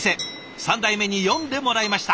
３代目に詠んでもらいました。